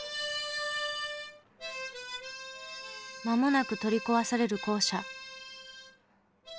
間もなく取り壊される校舎。